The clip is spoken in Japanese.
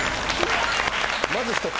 まず１つ。